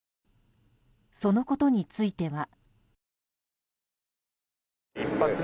そのことについては。